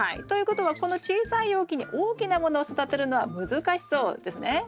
ということはこの小さい容器に大きなものを育てるのは難しそうですね。